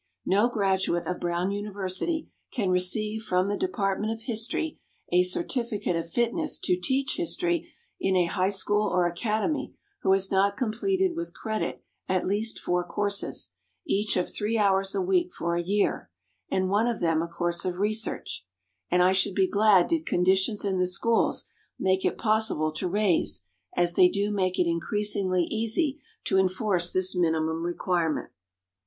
No graduate of Brown University can receive from the department of history a certificate of fitness to teach history in a high school or academy who has not completed with credit at least four courses, each of three hours a week for a year, and one of them a course of research; and I should be glad did conditions in the schools make it possible to raise, as they do make it increasingly easy to enforce this minimum requirement.